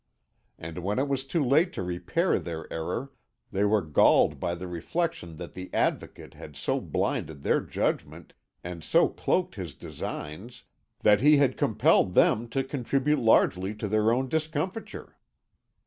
And, when it was too late to repair their error, they were galled by the reflection that the Advocate had so blinded their judgment, and so cloaked his designs, that he had compelled them to contribute largely to their own discomfiture.